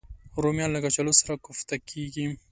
رومیان له کچالو سره کوفته کېږي